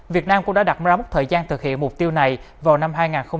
việt nam cũng đã đặt ra mốc thời gian thực hiện mục tiêu này vào năm hai nghìn hai mươi